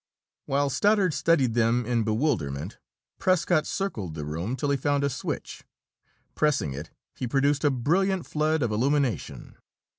While Stoddard studied them in bewilderment, Prescott circled the room till he found a switch. Pressing it, he produced a brilliant flood of illumination.